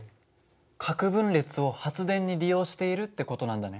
核分裂を発電に利用しているって事なんだね。